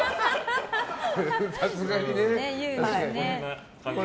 さすがにね。